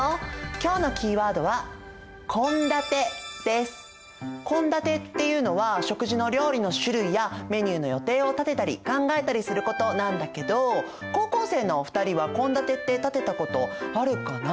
今日のキーワードは献立っていうのは食事の料理の種類やメニューの予定を立てたり考えたりすることなんだけど高校生のお二人は献立って立てたことあるかな？